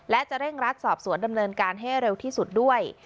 และจะเร่งรัดสอบสวนดำเนินการให้เร็วที่สุดด้วย